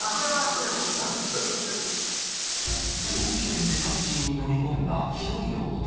上機嫌でタクシーに乗り込んだ１人の男。